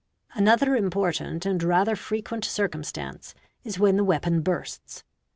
_ Another important and rather frequent circumstance is when the ' weapon bursts.